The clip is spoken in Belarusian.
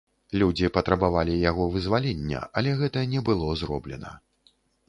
Людзі патрабавалі яго вызвалення, але гэта не было зроблена.